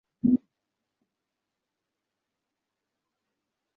কখনো মুহূর্তের জন্য তোমার পরিতাপের কারণ না ঘটুক।